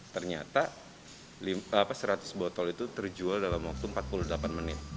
ternyata seratus botol itu terjual dalam waktu empat puluh delapan menit